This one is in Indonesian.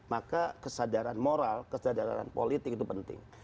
maka kesadaran moral kesadaran politik itu penting